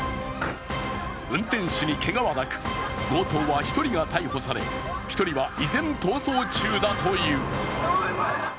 運転手にけがはなく、強盗は一人が逮捕され、一人は、依然逃走中だという。